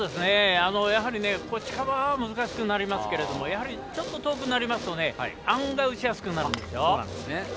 やはり近場は難しくなりますけどちょっと遠くなると案外打ちやすくなるんですよ。